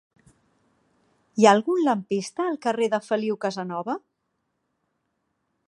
Hi ha algun lampista al carrer de Feliu Casanova?